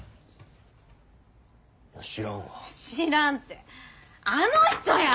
知らんてあの人や！